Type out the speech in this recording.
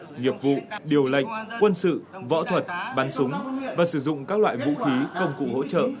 nghiệp vụ điều lệnh quân sự võ thuật bắn súng và sử dụng các loại vũ khí công cụ hỗ trợ